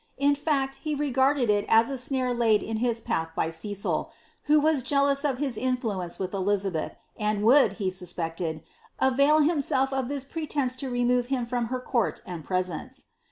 In fact, he regarded it as a snare laid in his path by Cecil, who was jealous of his influence with Elizabeth, and would, he suspected, avail himself of this pretence to remove him from her court and pre tence.